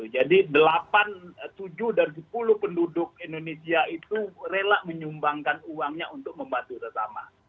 jadi delapan tujuh dari sepuluh penduduk indonesia itu rela menyumbangkan uangnya untuk membantu terutama